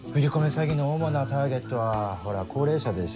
詐欺の主なターゲットはほら高齢者でしょ。